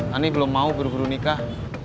kami belum mau buru buru nikah